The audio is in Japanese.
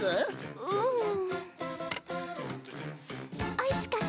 おいしかった？